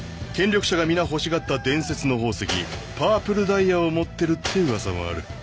権力者が皆欲しがった伝説の宝石パープルダイヤを持ってるって噂もある。